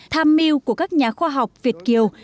tham mưu của các nhà khoa học việt kiều